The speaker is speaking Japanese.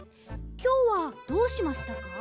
きょうはどうしましたか？